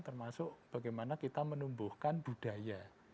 termasuk bagaimana kita menumbuhkan budaya